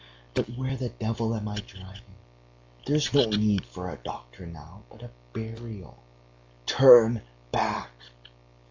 but where the devil am I driving? There's no need for a doctor now, but a burial. Turn back!"